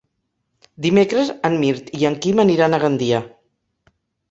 Dimecres en Mirt i en Quim aniran a Gandia.